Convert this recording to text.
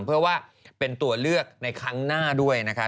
เพื่อว่าเป็นตัวเลือกในครั้งหน้าด้วยนะคะ